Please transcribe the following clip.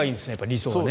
理想はね。